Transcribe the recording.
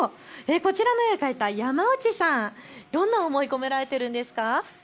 こちらの絵を描いたやまうちさん、どんな思いが込められているんですか。